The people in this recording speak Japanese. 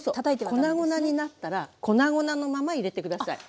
粉々になったら粉々のまま入れて下さい。